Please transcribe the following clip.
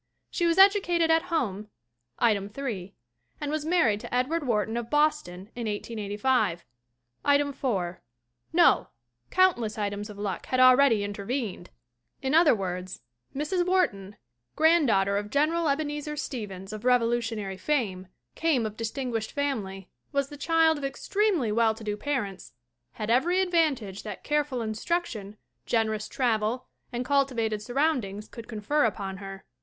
She was educated at home (item 3) and was married to Ed ward Wharton of Boston in 1885 (item 4 no! count less items of luck had already intervened!). In other EDITH WHARTON 3 words, Mrs. Wharton, granddaughter of General Ebenezer Stevens of Revolutionary fame, came of distinguished family, was the child of extremely well to do parents, had every advantage that careful in struction, generous travel and cultivated surroundings could confer upon her.